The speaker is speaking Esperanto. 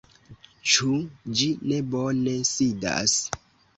Ĉu ĝi ne bone sidas?